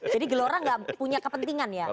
jadi gelora gak punya kepentingan ya